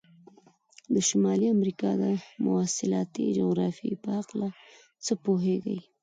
د شمالي امریکا د مواصلاتي جغرافیې په هلکه څه پوهیږئ؟